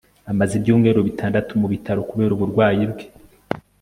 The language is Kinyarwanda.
amaze ibyumweru bitandatu mu bitaro kubera uburwayi bwe